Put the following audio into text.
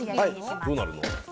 どうなるの？